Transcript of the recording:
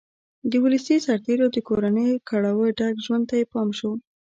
د ولسي سرتېرو د کورنیو کړاوه ډک ژوند ته یې پام شو